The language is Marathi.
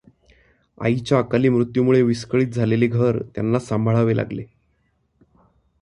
आईच्या अकाली मृत्यूमुळे विस्कळित झालेले घर त्यांना सांभाळावे लागले.